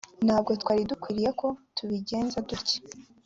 ntabwo twari dukwiriye ko tubigenza dutyo